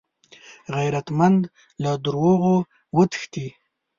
غیرتمند له دروغو وتښتي